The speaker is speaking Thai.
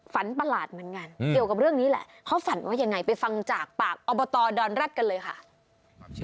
ประหลาดเหมือนกันเกี่ยวกับเรื่องนี้แหละเขาฝันว่ายังไงไปฟังจากปากอบตดอนแร็ดกันเลยค่ะ